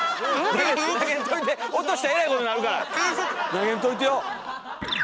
投げんといてよ！